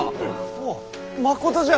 おおっまことじゃ。